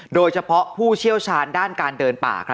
โดยเฉพาะผู้เชี่ยวชาญด้านการเดินป่า